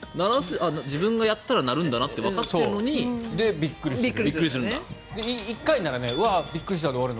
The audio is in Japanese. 自分がやったら鳴るんだなってわかっているのにびっくりするんだ。